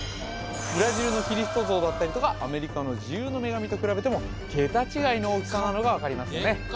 ブラジルのキリスト像だったりとかアメリカの自由の女神と比べても桁違いの大きさなのが分かりますね